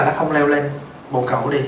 nó không leo lên bồn cẩu đi